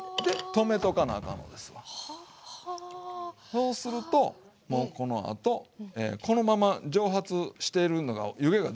そうするともうこのあとこのまま蒸発してるのが湯気が出てるでしょ。